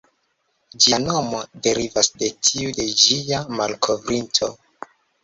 Ĝia nomo derivas de tiu de ĝia malkovrinto.